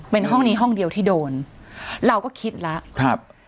เป็นห้องนี้ห้องเดียวที่โดนเราก็คิดแล้วครับ